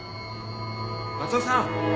松田さん！